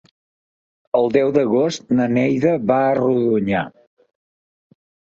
El deu d'agost na Neida va a Rodonyà.